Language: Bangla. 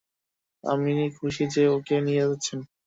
আমি খুশি যে ওকে নিয়ে যাচ্ছেন।